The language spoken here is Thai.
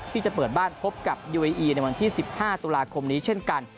ที่จะเปิดบ้านพบกับยูเออีในวันที่๑๕ตุลาคมนี้เช่นกัน